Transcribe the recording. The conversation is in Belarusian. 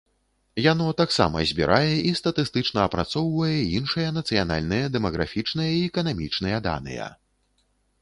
Яно таксама збірае і статыстычна апрацоўвае іншыя нацыянальныя дэмаграфічныя і эканамічныя даныя.